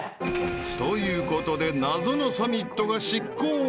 ［ということで謎のサミットが執行］